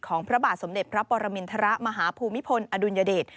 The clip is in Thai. พระบาทสมเด็จพระปรมินทรมาฮภูมิพลอดุลยเดช